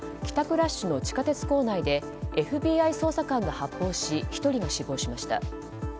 ラッシュの地下鉄構内でＦＢＩ捜査官が発砲し１人が死亡しました。